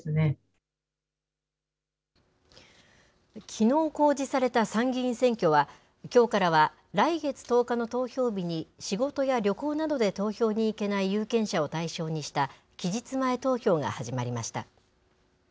きのう公示された参議院選挙は、きょうからは来月１０日の投票日に仕事や旅行などで投票に行けない有権者を対象にした期日前投票が始まりました。